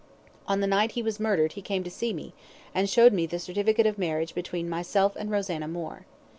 On the night he was murdered he came to see me, and showed me the certificate of marriage between myself and Rosanna Moore.